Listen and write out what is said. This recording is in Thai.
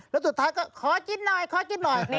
แล้วสุดท้ายใจก็ขอกินหน่อย